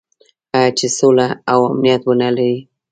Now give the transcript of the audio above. آیا چې سوله او امنیت ونلري؟